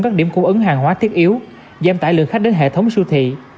các điểm cung ứng hàng hóa thiết yếu giảm tải lượng khách đến hệ thống siêu thị